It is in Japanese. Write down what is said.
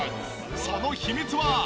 その秘密は。